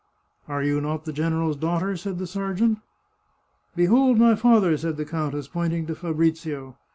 "" Are you not the general's daughter ?" said the ser geant. " Behold my father !" said the countess, pointing to Fabrizio.